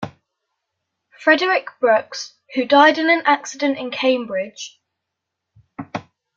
Frederic Brooks, who died in an accident in Cambridge.